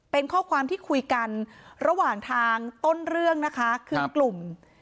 เป็นข้อความที่คุยกันระหว่างทางต้นเรื่องนะคะคืนกลุ่ม